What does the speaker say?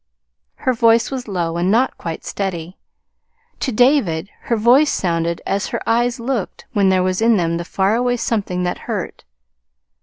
Her voice was low, and not quite steady. To David her voice sounded as her eyes looked when there was in them the far away something that hurt.